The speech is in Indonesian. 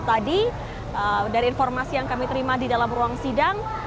tadi dari informasi yang kami terima di dalam ruang sidang